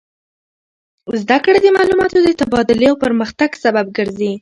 زده کړه د معلوماتو د تبادلې او پرمختګ سبب ګرځي.